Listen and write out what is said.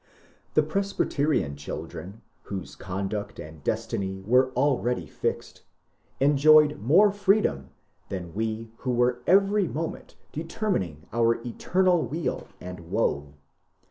The Presbyterian children, whose conduct and destiny were already fixed, enjoyed more freedom than we who were every moment determiuiDg our eternal weal or woe.